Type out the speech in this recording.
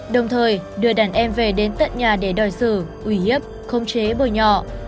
đồng thời đưa đàn em về đến tận nhà để đòi sử uy hiếp khống chế bồi nhọ